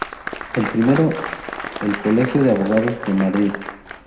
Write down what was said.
El primero el Colegio de Abogados de Madrid.